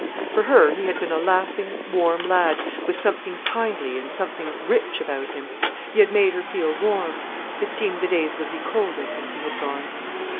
For her he had been a laughing, warm lad, with something kindly and something rich about him. He had made her feel warm. It seemed the days would be colder since he had gone.